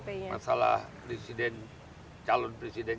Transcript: masalah presiden calon presiden